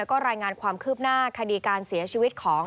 ก็รายงานความคืบหน้าคดีการเสียชีวิตของ